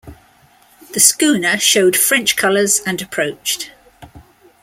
The schooner showed French colours and approached.